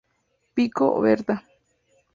Pico, Berta.